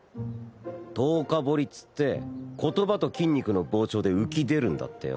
藤花彫りっつって言葉と筋肉の膨張で浮き出るんだってよ。